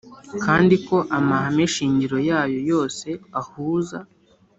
kandi ko amahame shingiro yayo yose ahuza